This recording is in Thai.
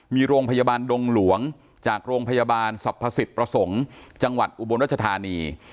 มีโรงพยาบาลดงหลวงจากโรงพยาบาลสรรพสิทธิ์ประสงค์จังหวัดอุบลรัชธานี